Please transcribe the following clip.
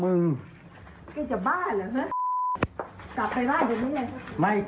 ไปเรื่องอะไรไปหาเรื่องอะไรเขา